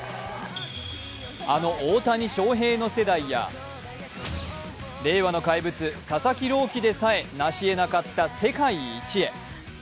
あの大谷翔平の世代や令和の怪物佐々木朗希でさえなしえなかった世界一へ。